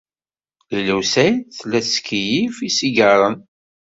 Lila u Saɛid tella tettkeyyif isigaṛen.